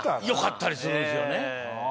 よかったりするんすよね。